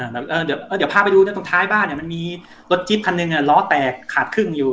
เดี๋ยวพาไปดูนะตรงท้ายบ้านมันมีรถจิ๊บคันหนึ่งล้อแตกขาดครึ่งอยู่